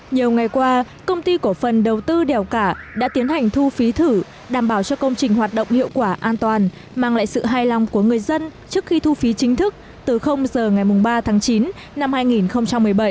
nhiều ngày qua công ty cổ phần đầu tư đèo cả đã tiến hành thu phí thử đảm bảo cho công trình hoạt động hiệu quả an toàn mang lại sự hài lòng của người dân trước khi thu phí chính thức từ giờ ngày ba tháng chín năm hai nghìn một mươi bảy